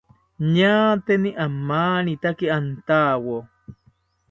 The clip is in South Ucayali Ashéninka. Ñaateni amanitaki antawo